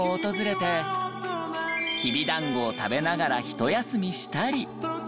きびだんごを食べながらひと休みしたり。